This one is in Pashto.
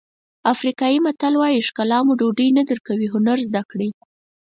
افریقایي متل وایي ښکلا مو ډوډۍ نه درکوي هنر زده کړئ.